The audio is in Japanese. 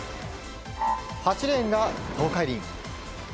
８レーンが東海林。